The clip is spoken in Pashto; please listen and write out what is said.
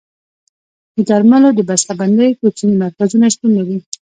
د درملو د بسته بندۍ کوچني مرکزونه شتون لري.